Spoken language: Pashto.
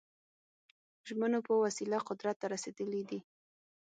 ژمنو په وسیله قدرت ته رسېدلي دي.